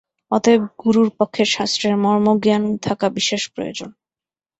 অতএব গুরুর পক্ষে শাস্ত্রের মর্মজ্ঞান থাকা বিশেষ প্রয়োজন।